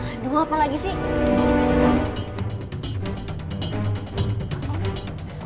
aduh apa lagi sih